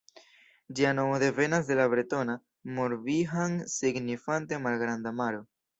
Ĝia nomo devenas de la bretona Mor-Bihan signifante Malgranda Maro.